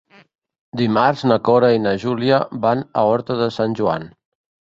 Dimarts na Cora i na Júlia van a Horta de Sant Joan.